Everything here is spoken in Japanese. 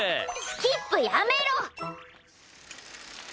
スキップやめろ！